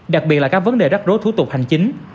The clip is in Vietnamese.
đặc biệt là các vấn đề đắt rối thủ tục hành chính